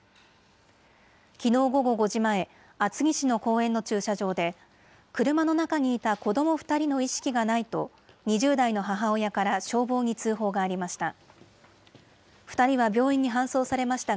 きのう午後５時前、厚木市の公園の駐車場で、車の中にいた子ども２人の意識がないと、２０代の母親から消防に通報がありました。